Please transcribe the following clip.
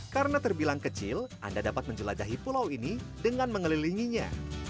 karena terbilang kecil anda dapat menjelajahi pulau ini dengan mengelilinginya